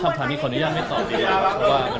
อ่านอันนี้ผมขออนุญาตไม่ตอบได้ไหมครับ